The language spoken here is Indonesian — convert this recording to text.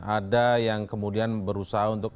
ada yang kemudian berusaha untuk